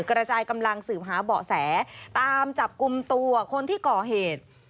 กระจายกำลังสืบหาเบาะแสตามจับกลุ่มตัวคนที่ก่อเหตุ